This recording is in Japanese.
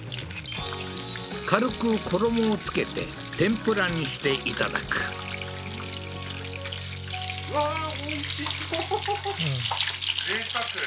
軽く衣をつけて天ぷらにしていただくははははっえっ？